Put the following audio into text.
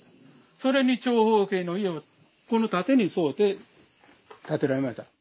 それに長方形の家をこの縦に沿うて建てられました。